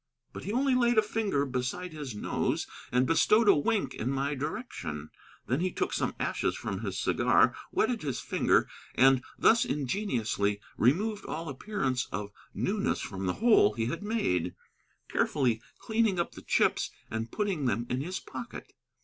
But he only laid a finger beside his nose and bestowed a wink in my direction. Then he took some ashes from his cigar, wetted his finger, and thus ingeniously removed all appearance of newness from the hole he had made, carefully cleaning up the chips and putting them in his pocket.